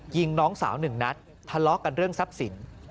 ยิงน้องสาวหนึ่งนัดทะเลาะกันเรื่องทรัพย์สิน